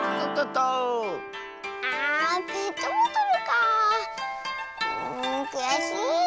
んくやしい。